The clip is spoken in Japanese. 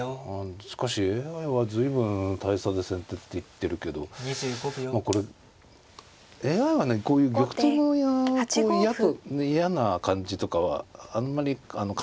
しかしＡＩは随分大差で先手って言ってるけどこれＡＩはねこういう玉頭の嫌な感じとかはあんまり加味しないから。